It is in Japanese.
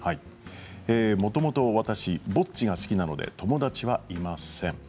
もともと私、ぼっちが好きなので友達はいません。